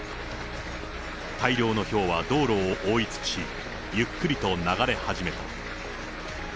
大量のひょうは道路を覆い尽くし、ゆっくりと流れ始めた。